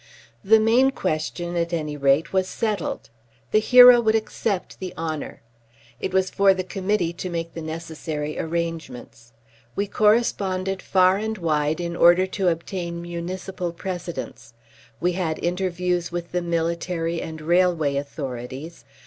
The main question, at any rate, was settled. The hero would accept the honour. It was for the Committee to make the necessary arrangements. We corresponded far and wide in order to obtain municipal precedents. We had interviews with the military and railway authorities.